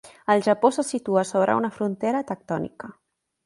El Japó se situa sobre una frontera tectònica.